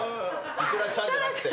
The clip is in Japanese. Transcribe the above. イクラちゃんじゃなくて。